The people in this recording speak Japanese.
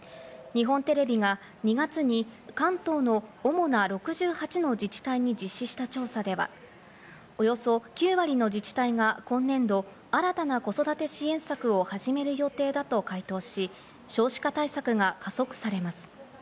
日本テレビが２月に関東の主な６８の自治体に実施した調査では、およそ９割の自治体が今年度、新たな子育て支援策を始める予定だと回答し、少子化対策が加速されます。